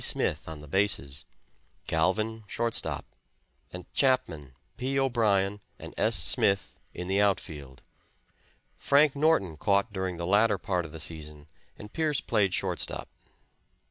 Smith, on the bases; Galvin, shortstop; and Chapman, P. O'Brien and S. Smith in the outfield. Frank Norton caught during the latter part of the season and Pearce played shortstop.